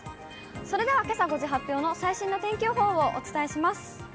それではけさ５時発表の最新の天気予報をお伝えします。